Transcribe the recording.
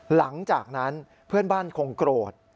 หลังจากนั้นเพื่อนบ้านคงโกรธ